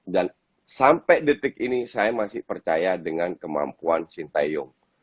dan sampai detik ini saya masih percaya dengan kemampuan shin taeyong